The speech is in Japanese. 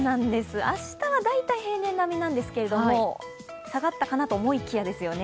明日は大体平年並みなんですけれども、下がったかなと思いきやですよね。